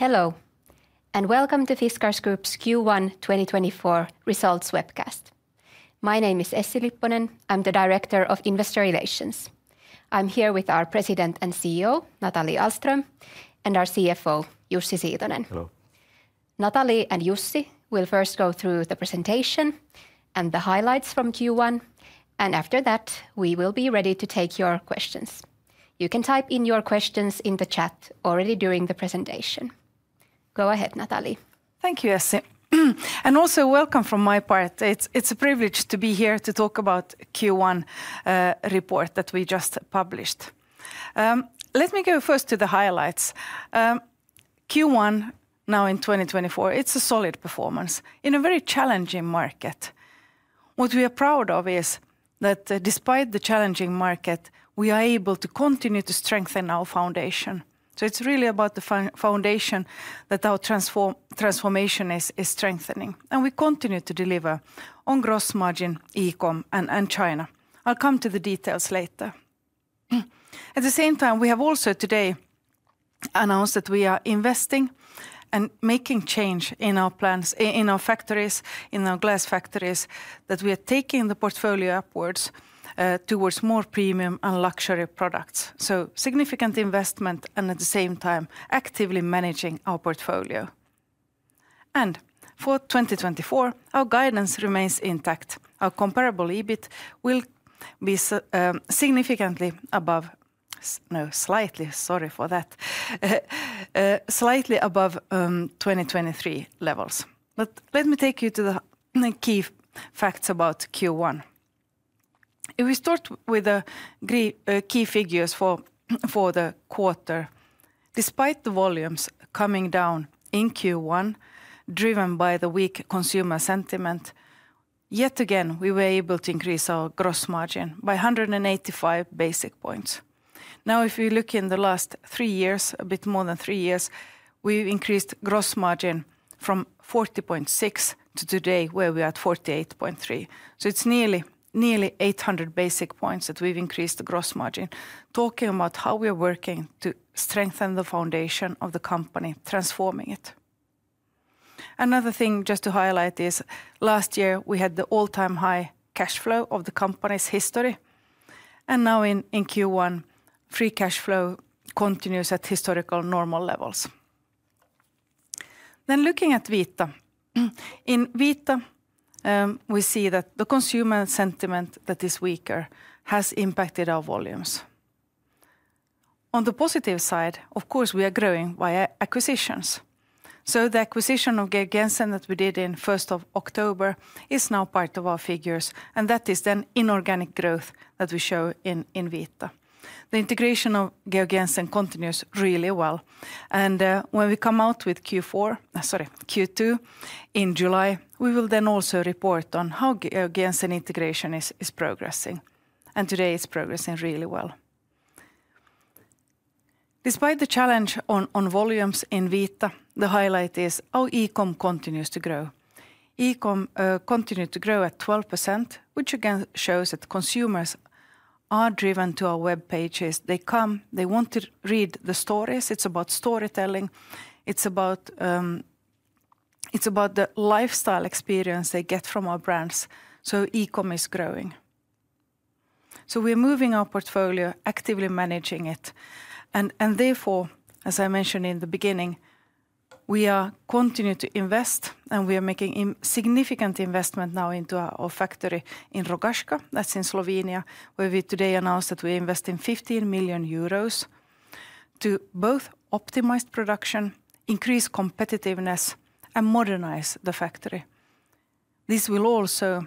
Hello and welcome to Fiskars Group's Q1 2024 results webcast. My name is Essi Lipponen, I'm the Director of Investor Relations. I'm here with our President and CEO Nathalie Ahlström and our CFO Jussi Siitonen. Hello. Nathalie and Jussi will first go through the presentation and the highlights from Q1, and after that we will be ready to take your questions. You can type in your questions in the chat already during the presentation. Go ahead, Nathalie. Thank you, Essi. And also welcome from my part. It's a privilege to be here to talk about Q1 report that we just published. Let me go first to the highlights. Q1 now in 2024, it's a solid performance in a very challenging market. What we are proud of is that despite the challenging market, we are able to continue to strengthen our foundation. So it's really about the foundation that our transformation is strengthening. And we continue to deliver on gross margin, e-com, and China. I'll come to the details later. At the same time, we have also today announced that we are investing and making change in our plans, in our factories, in our glass factories, that we are taking the portfolio upwards towards more premium and luxury products. So significant investment and at the same time actively managing our portfolio. And for 2024, our guidance remains intact. Our comparable EBIT will be significantly above, no, slightly, sorry for that, slightly above 2023 levels. But let me take you to the key facts about Q1. If we start with the key figures for the quarter, despite the volumes coming down in Q1 driven by the weak consumer sentiment, yet again we were able to increase our gross margin by 185 basis points. Now if you look in the last three years, a bit more than three years, we've increased gross margin from 40.6% to today where we are at 48.3%. So it's nearly 800 basis points that we've increased the gross margin, talking about how we are working to strengthen the foundation of the company, transforming it. Another thing just to highlight is last year we had the all-time high cash flow of the company's history. And now in Q1, free cash flow continues at historical normal levels. Then looking at Vita, in Vita we see that the consumer sentiment that is weaker has impacted our volumes. On the positive side, of course we are growing via acquisitions. So the acquisition of Georg Jensen that we did in 1st of October is now part of our figures, and that is then inorganic growth that we show in Vita. The integration of Georg Jensen continues really well. And when we come out with Q2 in July, we will then also report on how Georg Jensen integration is progressing. And today it's progressing really well. Despite the challenge on volumes in Vita, the highlight is our e-com continues to grow. E-com continued to grow at 12%, which again shows that consumers are driven to our web pages. They come, they want to read the stories. It's about storytelling. It's about the lifestyle experience they get from our brands. So e-com is growing. So we are moving our portfolio, actively managing it. And therefore, as I mentioned in the beginning, we continue to invest and we are making significant investment now into our factory in Rogaška, that's in Slovenia, where we today announced that we invest 15 million euros to both optimize production, increase competitiveness, and modernize the factory. This will also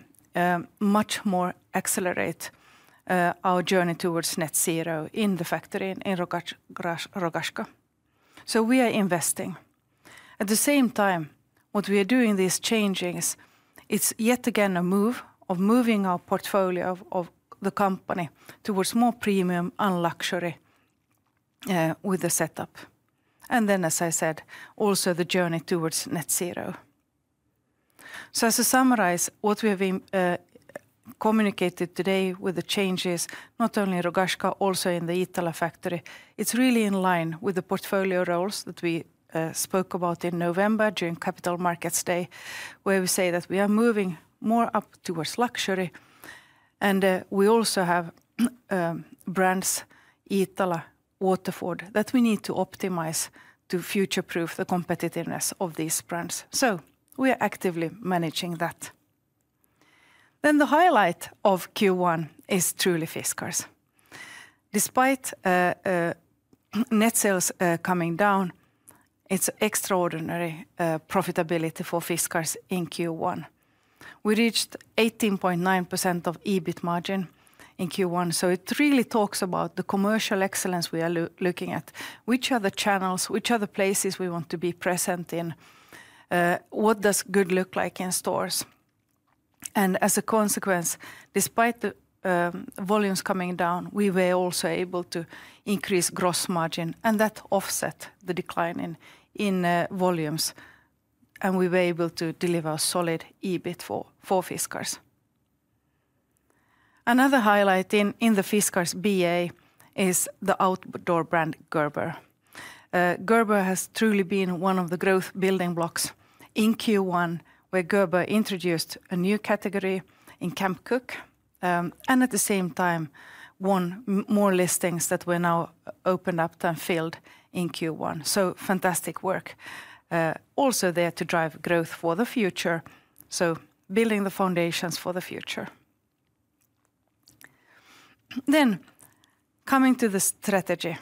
much more accelerate our journey towards net zero in the factory in Rogaška. So we are investing. At the same time, what we are doing these changes, it's yet again a move of moving our portfolio of the company towards more premium and luxury with the setup. And then, as I said, also the journey towards net zero. So, as a summary, what we have communicated today with the changes, not only in Rogaška, also in the Iittala factory, it's really in line with the portfolio roles that we spoke about in November during Capital Markets Day, where we say that we are moving more up towards luxury. And we also have brands Iittala, Waterford, that we need to optimize to future-proof the competitiveness of these brands. So we are actively managing that. Then the highlight of Q1 is truly Fiskars. Despite net sales coming down, it's extraordinary profitability for Fiskars in Q1. We reached 18.9% of EBIT margin in Q1. So it really talks about the commercial excellence we are looking at. Which are the channels, which are the places we want to be present in? What does good look like in stores? As a consequence, despite the volumes coming down, we were also able to increase gross margin, and that offset the decline in volumes. We were able to deliver a solid EBIT for Fiskars. Another highlight in the Fiskars BA is the outdoor brand Gerber. Gerber has truly been one of the growth building blocks in Q1, where Gerber introduced a new category in Camp Cook and at the same time won more listings that were now opened up and filled in Q1. Fantastic work also there to drive growth for the future. Building the foundations for the future. Coming to the strategy.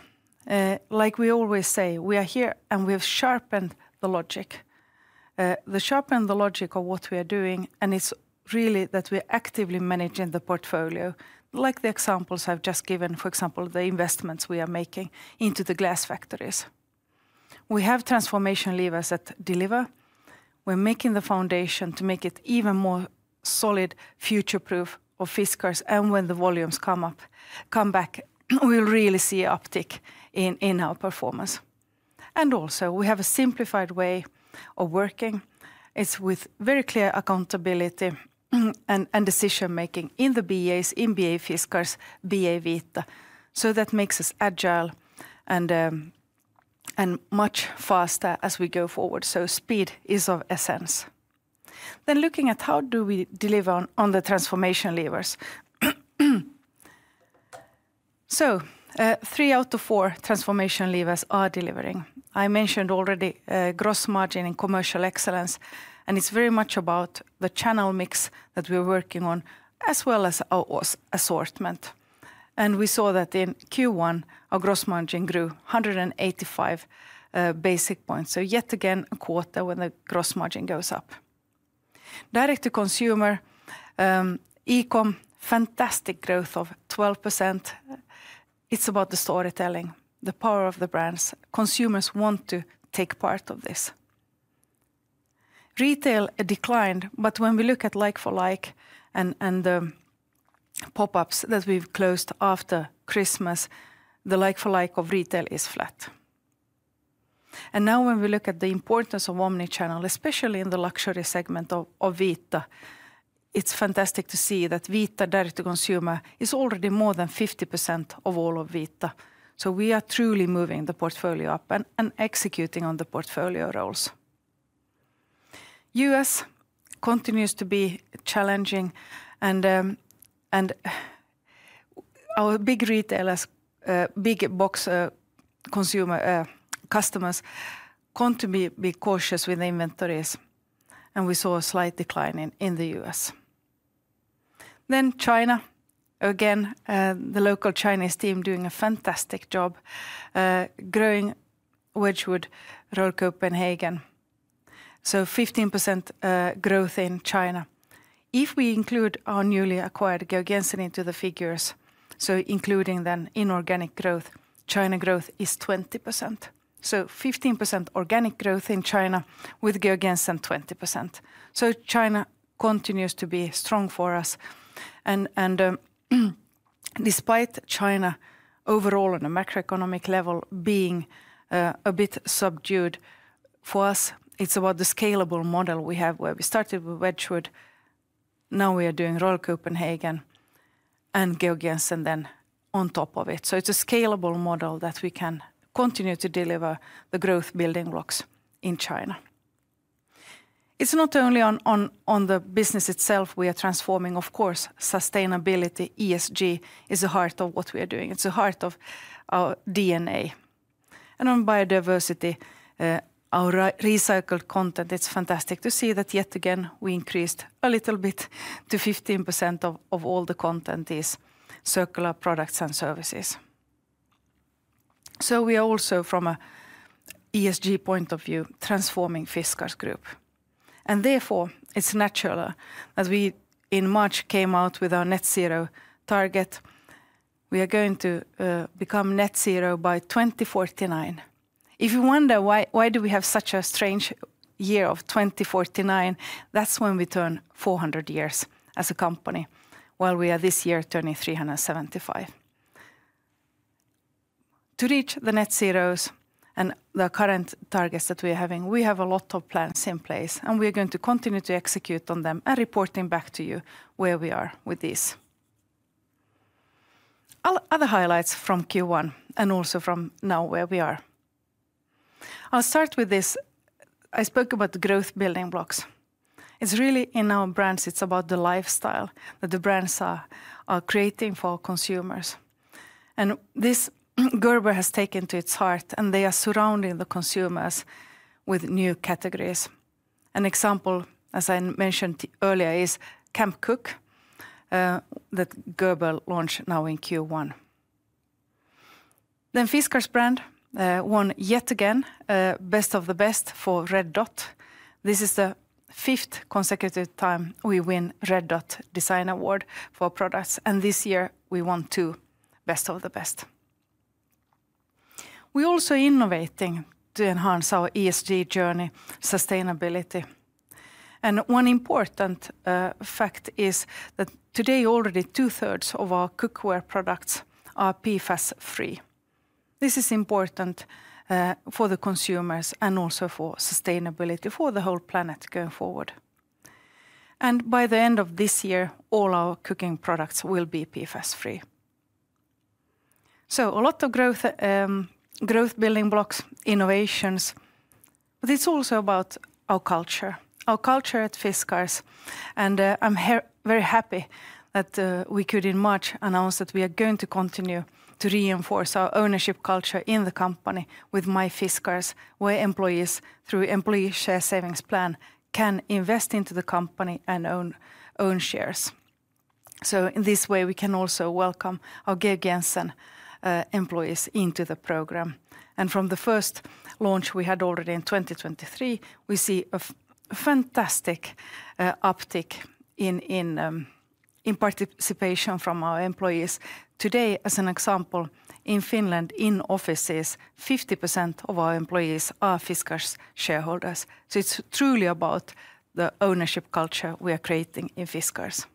Like we always say, we are here and we have sharpened the logic of what we are doing, and it's really that we are actively managing the portfolio. Like the examples I've just given, for example, the investments we are making into the glass factories. We have transformation levers that deliver. We're making the foundation to make it even more solid, future-proof of Fiskars. And when the volumes come back, we will really see an uptick in our performance. And also we have a simplified way of working. It's with very clear accountability and decision-making in the BAs, in BA Fiskars, BA Vita. So that makes us agile and much faster as we go forward. So speed is of essence. Then looking at how do we deliver on the transformation levers. So three out of four transformation levers are delivering. I mentioned already gross margin and commercial excellence. And it's very much about the channel mix that we are working on as well as our assortment. We saw that in Q1 our gross margin grew 185 basis points. So yet again a quarter when the gross margin goes up. Direct to consumer, e-com, fantastic growth of 12%. It's about the storytelling, the power of the brands. Consumers want to take part of this. Retail declined, but when we look at like-for-like and the pop-ups that we've closed after Christmas, the like-for-like of retail is flat. And now when we look at the importance of omnichannel, especially in the luxury segment of Vita, it's fantastic to see that Vita direct to consumer is already more than 50% of all of Vita. So we are truly moving the portfolio up and executing on the portfolio roles. US continues to be challenging. And our big retailers, big box consumer customers want to be cautious with the inventories. And we saw a slight decline in the US. Then China. Again, the local Chinese team doing a fantastic job. Growing Wedgwood, Rörstrand, Copenhagen. So 15% growth in China. If we include our newly acquired Georg Jensen into the figures, so including then inorganic growth, China growth is 20%. So 15% organic growth in China with Georg Jensen 20%. So China continues to be strong for us. And despite China overall on the macroeconomic level being a bit subdued, for us it's about the scalable model we have, where we started with Wedgwood. Now we are doing Rörstrand, Copenhagen, and Georg Jensen then on top of it. So it's a scalable model that we can continue to deliver the growth building blocks in China. It's not only on the business itself we are transforming, of course. Sustainability, ESG, is the heart of what we are doing. It's the heart of our DNA. On biodiversity, our recycled content, it's fantastic to see that yet again we increased a little bit to 15% of all the content is circular products and services. So we are also from an ESG point of view transforming Fiskars Group. Therefore it's natural that we in March came out with our net zero target. We are going to become net zero by 2049. If you wonder why do we have such a strange year of 2049, that's when we turn 400 years as a company while we are this year turning 375. To reach the net zeros and the current targets that we are having, we have a lot of plans in place. We are going to continue to execute on them and reporting back to you where we are with these. Other highlights from Q1 and also from now where we are. I'll start with this. I spoke about the growth building blocks. It's really in our brands, it's about the lifestyle that the brands are creating for consumers. This Gerber has taken to its heart and they are surrounding the consumers with new categories. An example, as I mentioned earlier, is Camp Cook that Gerber launched now in Q1. Fiskars brand won yet again Best of the Best for Red Dot. This is the fifth consecutive time we win Red Dot Design Award for products. This year we won two Best of the Best. We are also innovating to enhance our ESG journey, sustainability. One important fact is that today already two-thirds of our cookware products are PFAS-free. This is important for the consumers and also for sustainability for the whole planet going forward. By the end of this year all our cooking products will be PFAS-free. So a lot of growth building blocks, innovations. But it's also about our culture, our culture at Fiskars. I'm very happy that we could in March announce that we are going to continue to reinforce our ownership culture in the company with MyFiskars, where employees through employee share savings plan can invest into the company and own shares. So in this way we can also welcome our Georg Jensen employees into the program. From the first launch we had already in 2023, we see a fantastic uptick in participation from our employees. Today, as an example, in Finland in offices 50% of our employees are Fiskars shareholders. So it's truly about the ownership culture we are creating in Fiskars.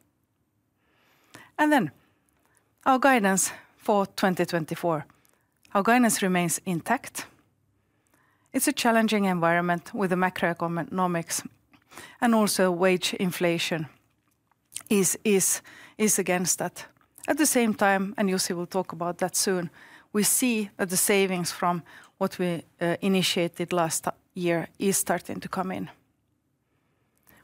Then our guidance for 2024. Our guidance remains intact. It's a challenging environment with the macroeconomics and also wage inflation is against that. At the same time, and Jussi will talk about that soon, we see that the savings from what we initiated last year is starting to come in.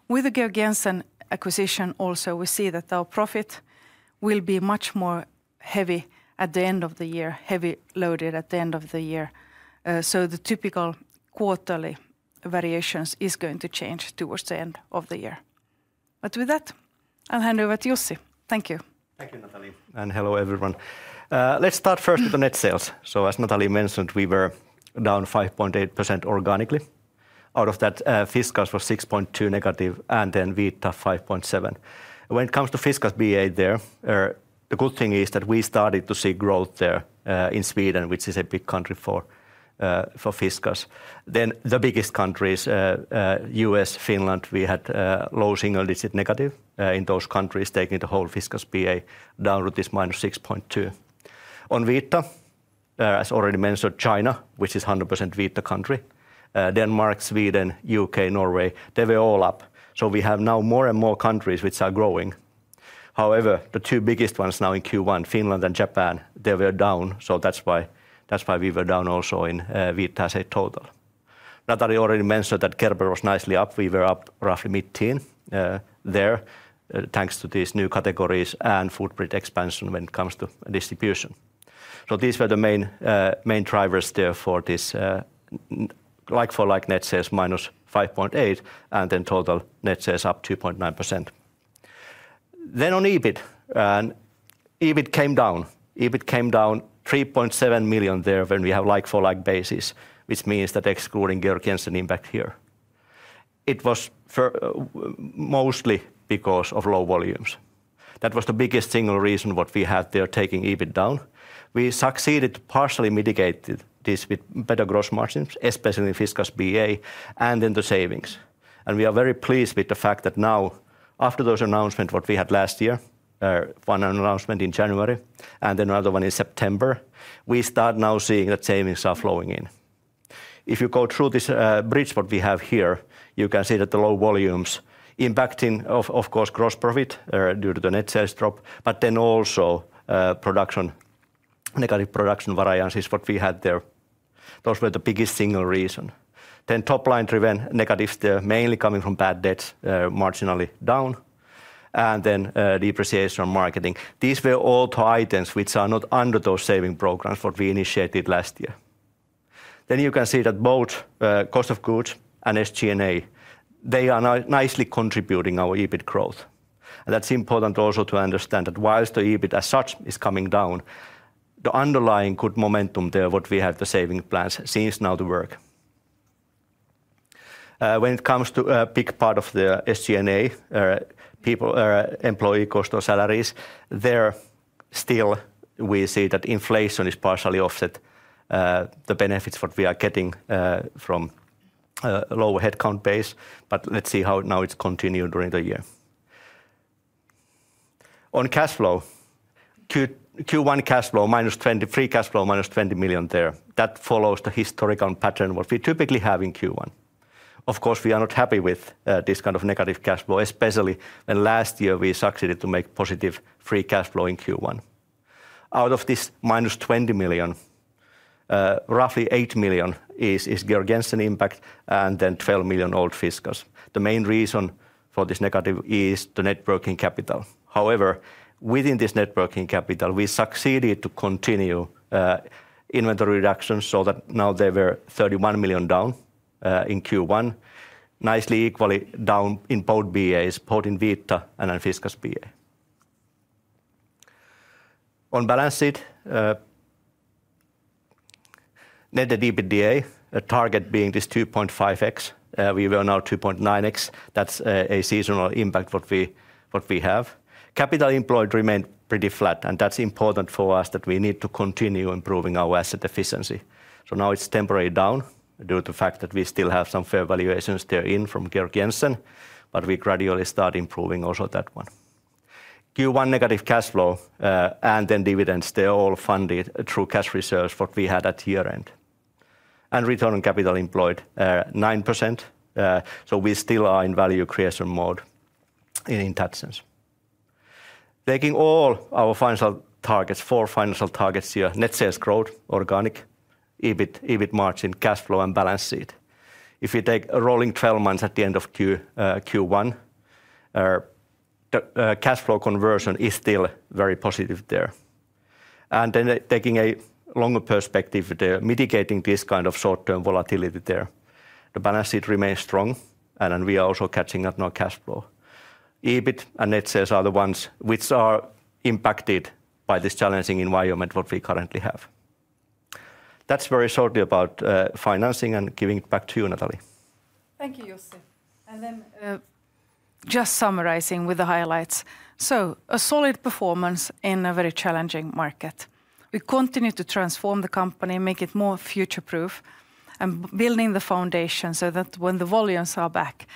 With the Georg Jensen acquisition also we see that our profit will be much more heavy at the end of the year, heavy loaded at the end of the year. So the typical quarterly variations is going to change towards the end of the year. But with that I'll hand over to Jussi. Thank you. Thank you, Nathalie. And hello everyone. Let's start first with the net sales. So as Nathalie mentioned, we were down 5.8% organically. Out of that Fiskars was 6.2% negative and then Vita 5.7%. When it comes to Fiskars BA there, the good thing is that we started to see growth there in Sweden, which is a big country for Fiskars. Then the biggest countries, U.S., Finland, we had low single digit negative in those countries taking the whole Fiskars BA downward is minus 6.2%. On Vita, as already mentioned, China, which is 100% Vita country. Denmark, Sweden, U.K., Norway, they were all up. So we have now more and more countries which are growing. However, the two biggest ones now in Q1, Finland and Japan, they were down. So that's why we were down also in Vita as a total. Nathalie already mentioned that Gerber was nicely up. We were up roughly 15% there thanks to these new categories and footprint expansion when it comes to distribution. So these were the main drivers there for this like-for-like net sales -5.8% and then total net sales up +2.9%. Then on EBIT. EBIT came down. EBIT came down 3.7 million there when we have like-for-like basis, which means that excluding Georg Jensen impact here. It was mostly because of low volumes. That was the biggest single reason what we had there taking EBIT down. We succeeded to partially mitigate this with better gross margins, especially in Fiskars BA and in the savings. And we are very pleased with the fact that now after those announcements what we had last year, one announcement in January and then another one in September, we start now seeing that savings are flowing in. If you go through this bridge what we have here, you can see that the low volumes impacting, of course, gross profit due to the net sales drop, but then also production, negative production variances what we had there. Those were the biggest single reason. Then top line driven negatives there, mainly coming from bad debts, marginally down. And then depreciation on marketing. These were all two items which are not under those saving programs what we initiated last year. Then you can see that both cost of goods and SG&A, they are nicely contributing our EBIT growth. And that's important also to understand that while the EBIT as such is coming down, the underlying good momentum there what we have the saving plans seems now to work. When it comes to a big part of the SG&A, people, employee cost or salaries, there still we see that inflation is partially offset the benefits what we are getting from lower headcount base. But let's see how now it's continued during the year. On cash flow. Q1 cash flow -20 million, free cash flow -20 million there. That follows the historical pattern what we typically have in Q1. Of course, we are not happy with this kind of negative cash flow, especially when last year we succeeded to make positive free cash flow in Q1. Out of this -20 million, roughly 8 million is Georg Jensen impact and then 12 million old Fiskars. The main reason for this negative is the net working capital. However, within this net working capital we succeeded to continue inventory reduction so that now they were 31 million down in Q1. Nicely equally down in both BAs, both in Vita and in Fiskars BA. On balance sheet. Net EBITDA, a target being this 2.5x. We were now 2.9x. That's a seasonal impact what we have. Capital employed remained pretty flat and that's important for us that we need to continue improving our asset efficiency. So now it's temporarily down due to the fact that we still have some fair valuations they're in from Georg Jensen, but we gradually start improving also that one. Q1 negative cash flow and then dividends, they're all funded through cash reserves what we had at year-end. And return on capital employed 9%. So we still are in value creation mode in that sense. Taking all our financial targets, four financial targets here, net sales growth organic, EBIT margin, cash flow and balance sheet. If we take rolling 12 months at the end of Q1, the cash flow conversion is still very positive there. Then taking a longer perspective, mitigating this kind of short-term volatility there. The balance sheet remains strong and we are also catching up now cash flow. EBIT and net sales are the ones which are impacted by this challenging environment what we currently have. That's very shortly about financing and giving it back to you, Nathalie. Thank you, Jussi. Then just summarizing with the highlights. So a solid performance in a very challenging market. We continue to transform the company, make it more future-proof and building the foundation so that when the volumes are back,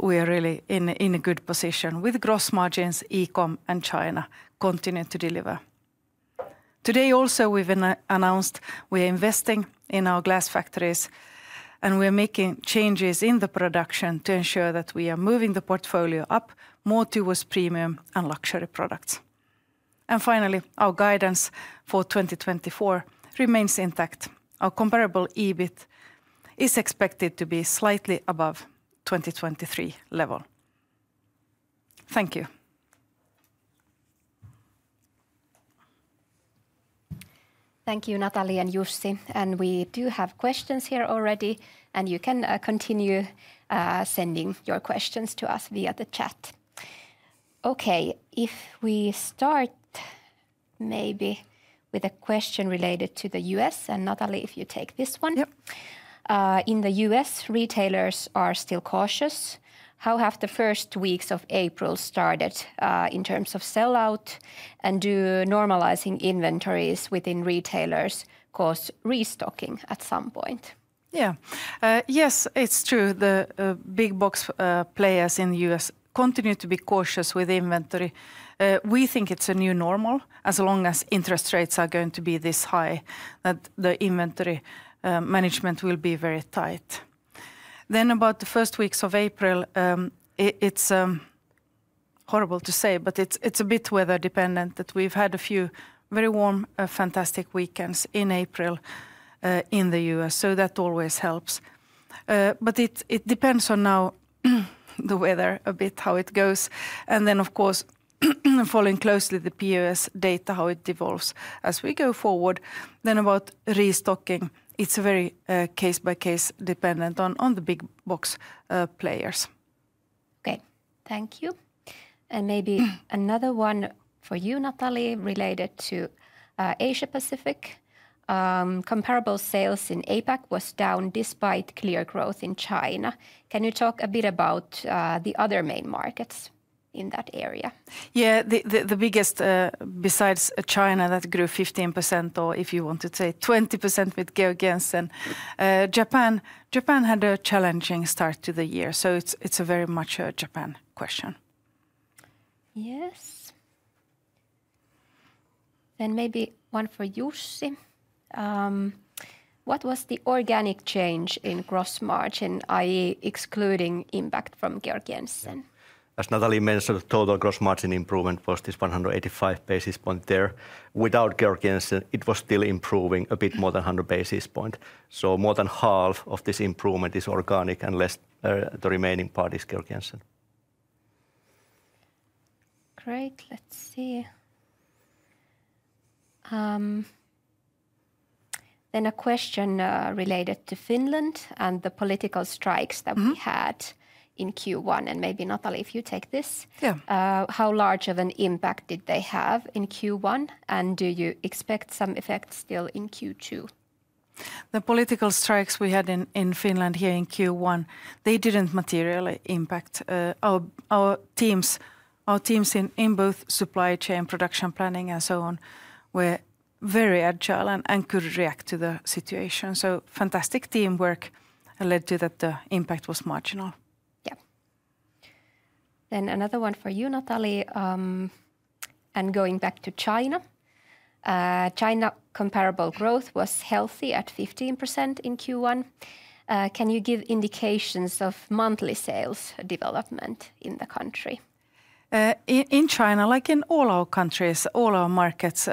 we are really in a good position with gross margins, e-com and China continue to deliver. Today also we've announced we are investing in our glass factories and we are making changes in the production to ensure that we are moving the portfolio up more towards premium and luxury products. Finally, our guidance for 2024 remains intact. Our comparable EBIT is expected to be slightly above 2023 level. Thank you. Thank you, Nathalie and Jussi. We do have questions here already and you can continue sending your questions to us via the chat. Okay, if we start maybe with a question related to the U.S. and Nathalie, if you take this one. Yep. In the U.S., retailers are still cautious. How have the first weeks of April started in terms of sellout and do normalizing inventories within retailers cause restocking at some point? Yeah. Yes, it's true. The big box players in the U.S. continue to be cautious with inventory. We think it's a new normal as long as interest rates are going to be this high, that the inventory management will be very tight. Then about the first weeks of April, it's horrible to say, but it's a bit weather dependent that we've had a few very warm, fantastic weekends in April in the U.S. So that always helps. But it depends on now the weather a bit, how it goes. And then, of course, following closely the POS data, how it evolves as we go forward. Then about restocking, it's very case by case dependent on the big box players. Okay, thank you. And maybe another one for you, Nathalie, related to Asia-Pacific. Comparable sales in APAC was down despite clear growth in China. Can you talk a bit about the other main markets in that area? Yeah, the biggest besides China that grew 15% or if you want to say 20% with Georg Jensen, Japan had a challenging start to the year. So it's a very much a Japan question. Yes. Then maybe one for Jussi. What was the organic change in gross margin, i.e., excluding impact from Georg Jensen? As Nathalie mentioned, the total gross margin improvement was this 185 basis points there. Without Georg Jensen, it was still improving a bit more than 100 basis points. So more than half of this improvement is organic and less the remaining part is Georg Jensen. Great. Let's see. Then a question related to Finland and the political strikes that we had in Q1. And maybe Nathalie, if you take this. Yeah. How large of an impact did they have in Q1 and do you expect some effects still in Q2? The political strikes we had in Finland here in Q1, they didn't materially impact. Our teams in both supply chain, production planning and so on were very agile and could react to the situation. So fantastic teamwork led to that the impact was marginal. Yeah. Then another one for you, Nathalie. And going back to China. China comparable growth was healthy at 15% in Q1. Can you give indications of monthly sales development in the country? In China, like in all our countries, all our markets,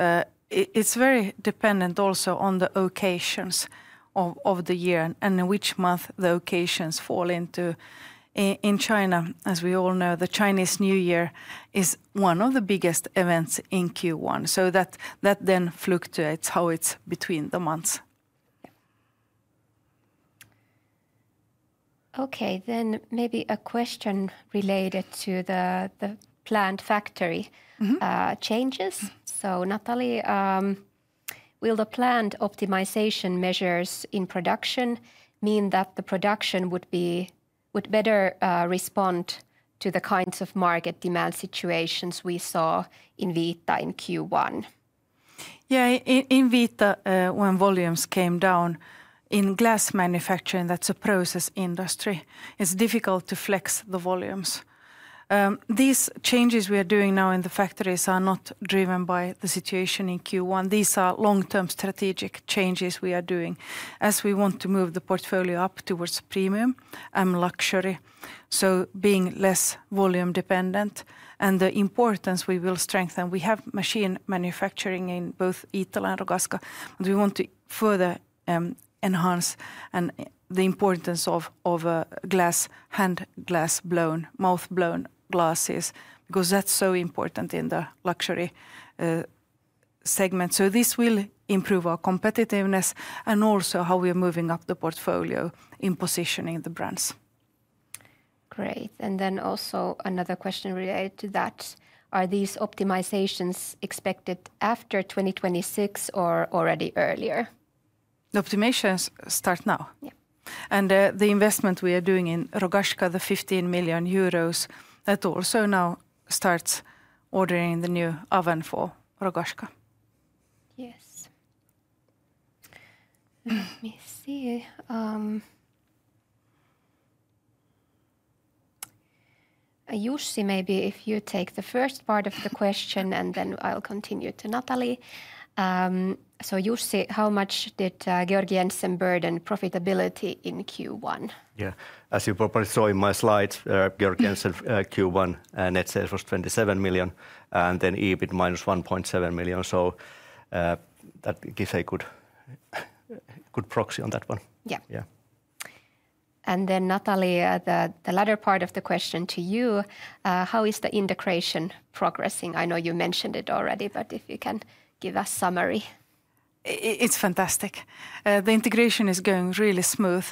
it's very dependent also on the occasions of the year and in which month the occasions fall into. In China, as we all know, the Chinese New Year is one of the biggest events in Q1. So that then fluctuates how it's between the months. Okay, then maybe a question related to the planned factory changes. So Nathalie, will the planned optimization measures in production mean that the production would better respond to the kinds of market demand situations we saw in Vita in Q1? Yeah, in Vita when volumes came down, in glass manufacturing, that's a process industry, it's difficult to flex the volumes. These changes we are doing now in the factories are not driven by the situation in Q1. These are long-term strategic changes we are doing. As we want to move the portfolio up towards premium and luxury, so being less volume dependent and the importance we will strengthen. We have machine manufacturing in both Iittala and Rogaška. We want to further enhance the importance of glass, hand glass, blown, mouth blown glasses because that's so important in the luxury segment. So this will improve our competitiveness and also how we are moving up the portfolio in positioning the brands. Great. And then also another question related to that. Are these optimizations expected after 2026 or already earlier? The optimizations start now. Yeah. And the investment we are doing in Rogaška, the 15 million euros, that also now starts ordering the new oven for Rogaška. Yes. Let me see. Jussi, maybe if you take the first part of the question and then I'll continue to Nathalie. So Jussi, how much did Georg Jensen burden profitability in Q1? Yeah, as you probably saw in my slides, Georg Jensen Q1 net sales was 27 million and then EBIT -1.7 million. So that gives a good proxy on that one. Yeah. And then Nathalie, the latter part of the question to you. How is the integration progressing? I know you mentioned it already, but if you can give a summary. It's fantastic. The integration is going really smooth.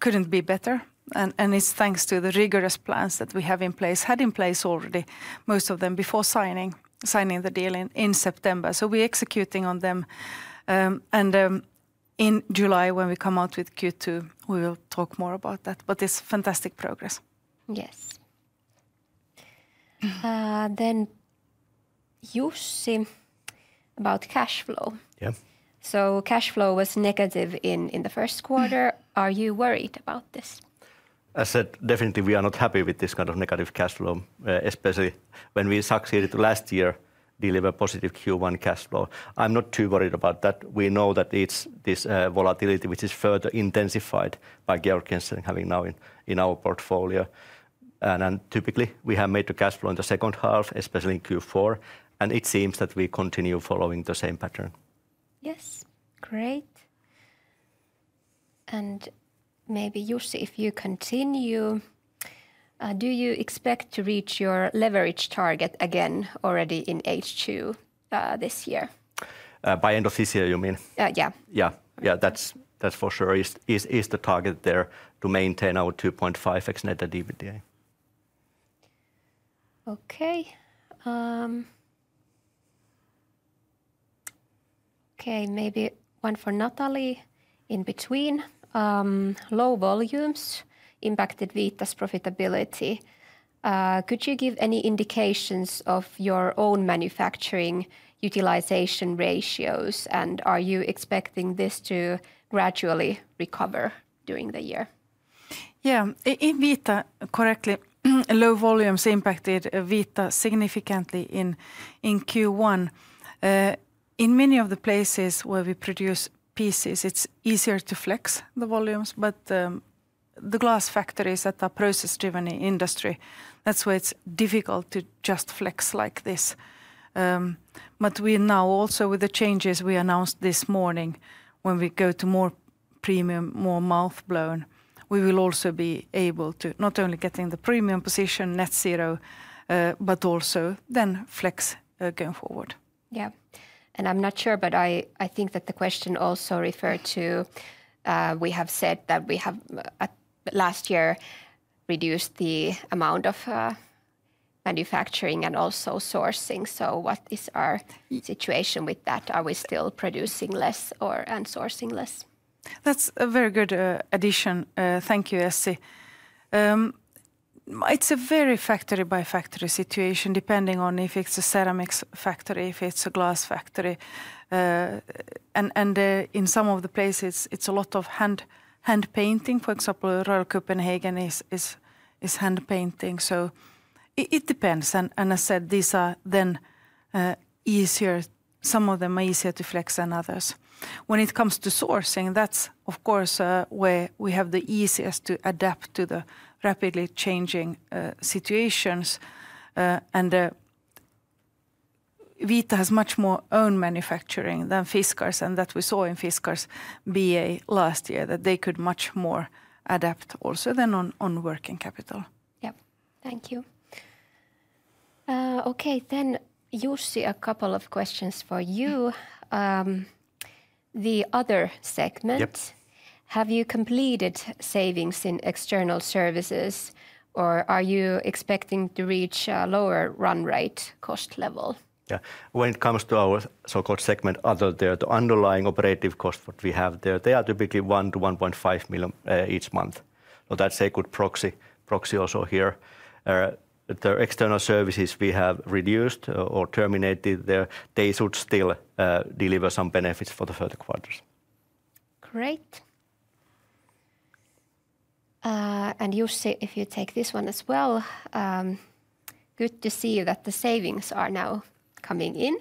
Couldn't be better. And it's thanks to the rigorous plans that we have in place, had in place already, most of them before signing the deal in September. So we're executing on them. And in July when we come out with Q2, we will talk more about that. But it's fantastic progress. Yes. Then Jussi, about cash flow. Yeah. So cash flow was negative in the first quarter. Are you worried about this? As said, definitely we are not happy with this kind of negative cash flow, especially when we succeeded last year to deliver positive Q1 cash flow. I'm not too worried about that. We know that it's this volatility which is further intensified by Georg Jensen having now in our portfolio. And typically we have made the cash flow in the second half, especially in Q4. And it seems that we continue following the same pattern. Yes, great. And maybe Jussi, if you continue. Do you expect to reach your leverage target again already in H2 this year? By end of this year, you mean? Yeah. Yeah, that's for sure. Is the target there to maintain our 2.5x net EBITDA. Okay. Okay, maybe one for Nathalie in between. Low volumes impacted Vita's profitability. Could you give any indications of your own manufacturing utilization ratios and are you expecting this to gradually recover during the year? Yeah, in Vita, correctly, low volumes impacted Vita significantly in Q1. In many of the places where we produce pieces, it's easier to flex the volumes. But the glass factories that are process-driven industry, that's where it's difficult to just flex like this. But we now also with the changes we announced this morning when we go to more premium, more mouth blown, we will also be able to not only get in the premium position, net zero, but also then flex going forward. Yeah. I'm not sure, but I think that the question also referred to we have said that we have last year reduced the amount of manufacturing and also sourcing. So what is our situation with that? Are we still producing less and sourcing less? That's a very good addition. Thank you, Essi. It's a very factory by factory situation depending on if it's a ceramics factory, if it's a glass factory. And in some of the places, it's a lot of hand painting. For example, Royal Copenhagen is hand painting. So it depends. And as said, these are then easier. Some of them are easier to flex than others. When it comes to sourcing, that's of course where we have the easiest to adapt to the rapidly changing situations. And Vita has much more own manufacturing than Fiskars and that we saw in Fiskars BA last year that they could much more adapt also than on working capital. Yep, thank you. Okay, then Jussi, a couple of questions for you. The other segment. Have you completed savings in external services or are you expecting to reach a lower run rate cost level? Yeah, when it comes to our so-called segment, other than the underlying operative costs that we have there, they are typically 1 million-1.5 million each month. So that's a good proxy also here. The external services we have reduced or terminated there, they should still deliver some benefits for the third quarters. Great. And Jussi, if you take this one as well. Good to see that the savings are now coming in.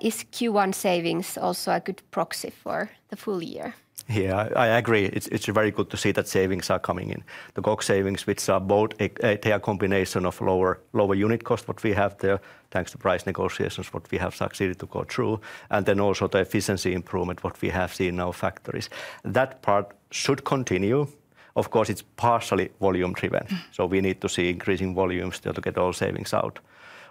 Is Q1 savings also a good proxy for the full year? Yeah, I agree. It's very good to see that savings are coming in. The COGS savings, which are both, they are a combination of lower unit costs that we have there thanks to price negotiations that we have succeeded to go through. And then also the efficiency improvement that we have seen in our factories. That part should continue. Of course, it's partially volume driven. So we need to see increasing volumes still to get all savings out.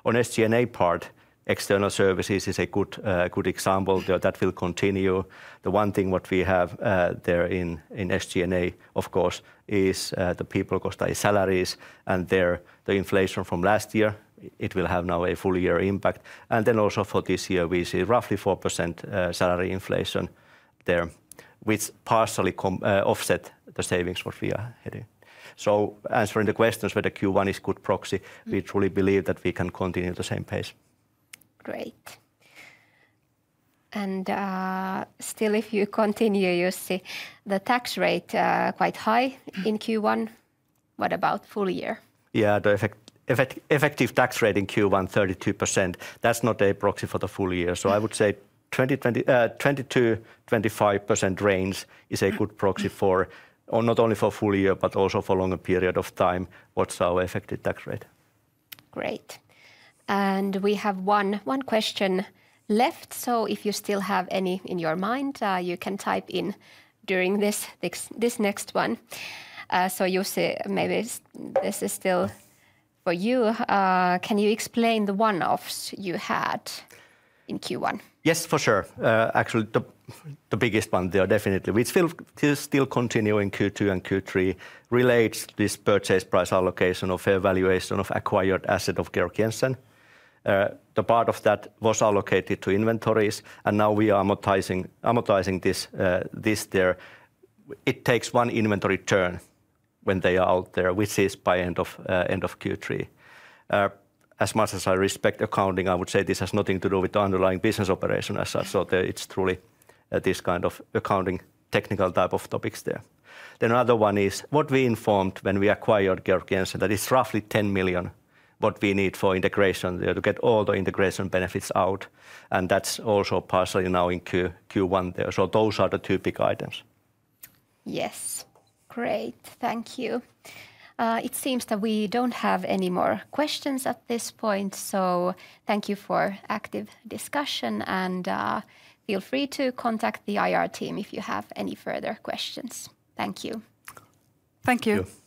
On SG&A part, external services is a good example that will continue. The one thing that we have there in SG&A, of course, is the people costs, salaries and the inflation from last year. It will have now a full year impact. And then also for this year, we see roughly 4% salary inflation there, which partially offsets the savings that we are heading. So answering the questions whether Q1 is a good proxy, we truly believe that we can continue at the same pace. Great. And still, if you continue, Jussi, the tax rate quite high in Q1. What about full year? Yeah, the effective tax rate in Q1, 32%. That's not a proxy for the full year. So I would say 22%-25% range is a good proxy for not only for full year, but also for a longer period of time. What's our effective tax rate? Great. And we have one question left. So if you still have any in your mind, you can type in during this next one. So Jussi, maybe this is still for you. Can you explain the one-offs you had in Q1? Yes, for sure. Actually, the biggest one there definitely, which is still continuing Q2 and Q3, relates to this purchase price allocation of fair valuation of acquired asset of Georg Jensen. The part of that was allocated to inventories and now we are amortizing this there. It takes one inventory turn when they are out there, which is by end of Q3. As much as I respect accounting, I would say this has nothing to do with the underlying business operation as such. So it's truly this kind of accounting technical type of topics there. Then another one is what we informed when we acquired Georg Jensen, that it's roughly 10 million what we need for integration there to get all the integration benefits out. And that's also partially now in Q1 there. So those are the two big items. Yes, great. Thank you. It seems that we don't have any more questions at this point. So thank you for active discussion and feel free to contact the IR team if you have any further questions. Thank you. Thank you.